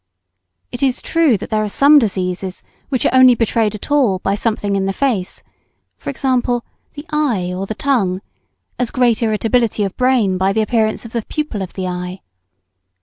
It is true that there are some diseases which are only betrayed at all by something in the face, e.g., the eye or the tongue, as great irritability of brain by the appearance of the pupil of the eye.